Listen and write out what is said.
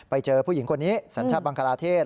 ไปเจอผู้หญิงคนนี้สัญชาติบังคลาเทศ